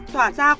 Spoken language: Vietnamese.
tỏa ra quả